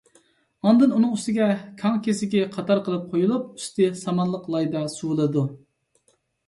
ئاندىن ئۇنىڭ ئۈستىگە كاڭ كېسىكى قاتار قىلىپ قويۇلۇپ، ئۈستى سامانلىق لايدا سۇۋىلىدۇ.